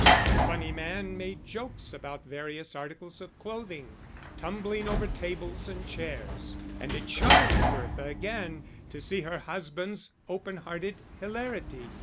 The funny man made jokes about various articles of clothing, tumbling over tables and chairs; and it charmed Bertha again to see her husband's open hearted hilarity.